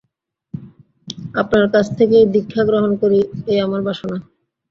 আপনার কাছ থেকেই দীক্ষা গ্রহণ করি এই আমার বাসনা।